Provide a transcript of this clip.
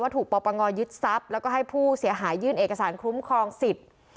ถูกปปงยึดทรัพย์แล้วก็ให้ผู้เสียหายยื่นเอกสารคุ้มครองสิทธิ์